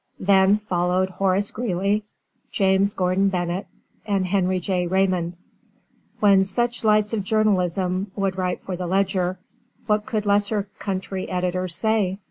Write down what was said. Then followed Horace Greely, James Gordon Bennett, and Henry J. Raymond. When such lights of journalism would write for the Ledger, what could lesser country editors say?